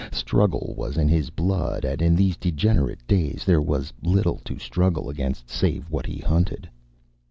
Struggle was in his blood, and in these degenerate days there was little to struggle against save what he hunted.